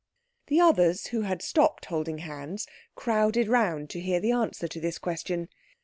The others who had stopped holding hands crowded round to hear the answer to this question.